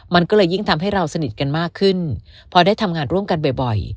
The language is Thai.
มันก็เลยยิ่งทำให้เราสนิทกันมากขึ้นพอได้ทำงานร่วมกันบ่อย